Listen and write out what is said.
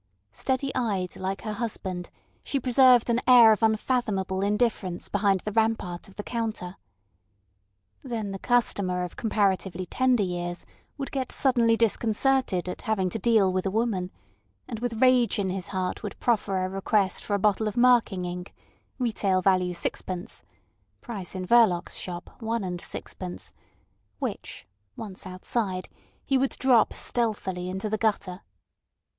Steady eyed like her husband, she preserved an air of unfathomable indifference behind the rampart of the counter. Then the customer of comparatively tender years would get suddenly disconcerted at having to deal with a woman, and with rage in his heart would proffer a request for a bottle of marking ink, retail value sixpence (price in Verloc's shop one and sixpence), which, once outside, he would drop stealthily into the gutter.